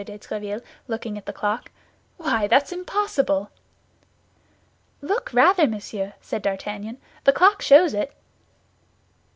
de Tréville, looking at the clock; "why, that's impossible!" "Look, rather, monsieur," said D'Artagnan, "the clock shows it."